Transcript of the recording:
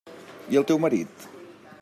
I el teu marit?